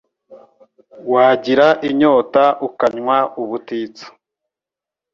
Wagira inyota ukanywa ubutitsa